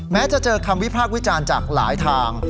แม้จะเจอคำวิพากษ์วิจารณ์จากหลายทาง